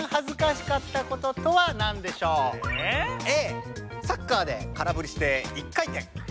Ａサッカーで空ぶりして一回転。